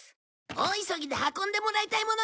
大急ぎで運んでもらいたいものがあるんだ！